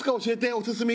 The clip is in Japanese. オススメ